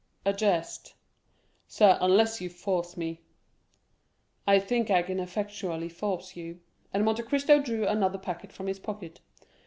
"A jest." "Sir, unless you force me——" "I think I can effectually force you;" and Monte Cristo drew another packet from his pocket.